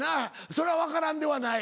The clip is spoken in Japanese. それは分からんではない。